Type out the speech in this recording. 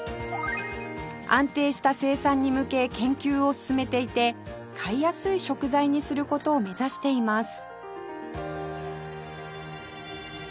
安定した生産に向け研究を進めていて買いやすい食材にする事を目指しています